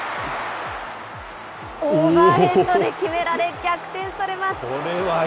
オーバーヘッドで決められ逆転されます。